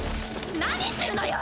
何するのよ！